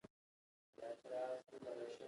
د بېلګې په توګه هغه یوازې پرېږدو.